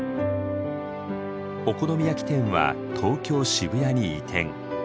お好み焼き店は東京・渋谷に移転。